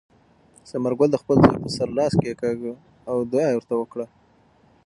ثمرګل د خپل زوی په سر لاس کېکاږه او دعا یې ورته وکړه.